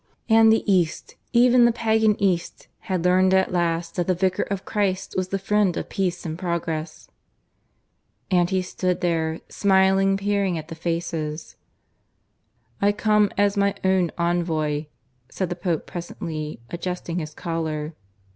And the East even the pagan East had learned at last that the Vicar of Christ was the Friend of Peace and Progress. And he stood here, smiling and peering at the faces. "I come as my own envoy," said the Pope presently, adjusting his collar.